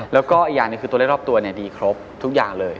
แล้วก็อีกอย่างหนึ่งคือตัวเลขรอบตัวดีครบทุกอย่างเลย